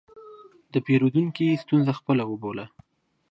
د پیرودونکي ستونزه خپله وبوله.